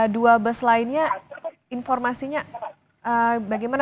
dua bus lainnya informasinya bagaimana